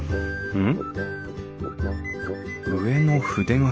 うん。